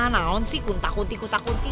nah naon sih kunti kunti